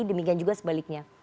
demikian juga sebaliknya